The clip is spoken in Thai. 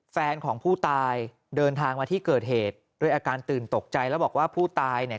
แฟนของผู้ตายเดินทางมาที่เกิดเหตุด้วยอาการตื่นตกใจแล้วบอกว่าผู้ตายเนี่ย